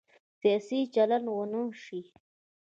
سیاسي چلند ونه شي.